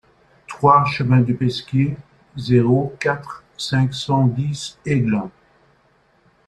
trois chemin du Pesquier, zéro quatre, cinq cent dix Aiglun